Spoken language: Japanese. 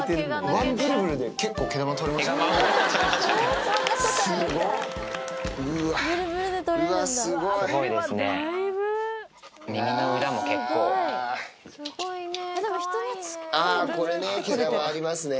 ワンブルブルで、結構、毛玉取れましたね。